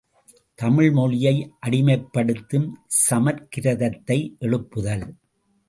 தமிழ்மொழியை அடிமைப்படுத்தும் சமற்கிருதத்தை எழுப்புதல்.